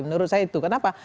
menurut saya itu kenapa